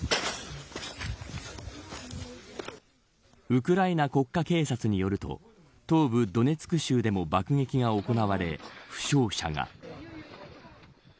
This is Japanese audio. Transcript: ウクライナ国家警察によると東部ドネツク州でも爆撃が行われ、負傷者が。